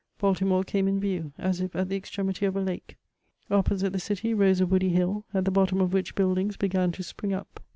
Balti more came in view, as if at the extremity of a lake. Opposite the city rose a woody hill, at the bottom of which buildings began to spring up.